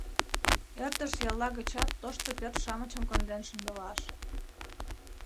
Ӧрдыж ялла гычат тошто пӧрт-шамычым конден шындылаш.